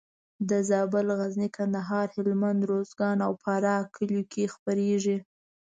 د زابل، غزني، کندهار، هلمند، روزګان او فراه کلیو کې خپرېږي.